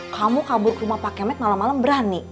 kamu kabur ke rumah pakai med malam malam berani